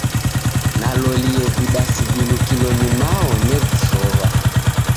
Nalolie vidasi vilukilo ni mao nevisow'a.